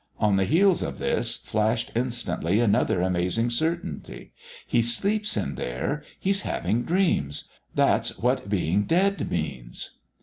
On the heels of this flashed instantly another amazing certainty. "He sleeps in there. He's having dreams. That's what being dead means."